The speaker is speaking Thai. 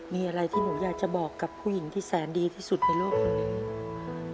มีอะไรที่หนูอยากจะบอกกับผู้หญิงที่แสนดีที่สุดในโลกคนนี้อืม